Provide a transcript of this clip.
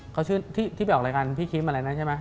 เขาชื่อที่ไปออกรายการพี่คิมอะไรนะใช่ไหม